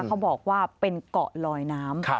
เขาบอกว่าเป็นเกาะลอยน้ำ